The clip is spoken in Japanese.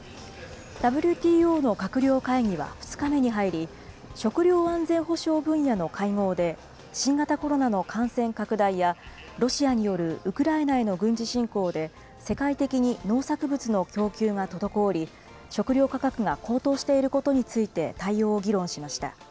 ＷＴＯの閣僚会議は２日目に入り、食料安全保障分野の会合で、新型コロナの感染拡大や、ロシアによるウクライナへの軍事侵攻で、世界的に農作物の供給が滞り、食料価格が高騰していることについて対応を議論しました。